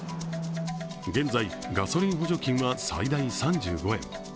現在、ガソリン補助金は最大３５円。